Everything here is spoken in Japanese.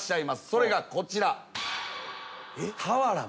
それがこちら。